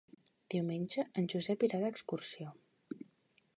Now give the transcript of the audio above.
Diumenge en Josep irà d'excursió.